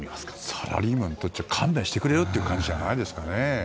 サラリーマンにとっちゃ勘弁してくれよって感じじゃないですかね。